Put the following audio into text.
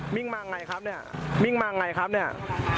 มิ่งมาอย่างไรครับเนี่ยมิ่งมาอย่างไรครับเนี่ย